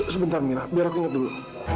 sebentar mina biar aku ingat dulu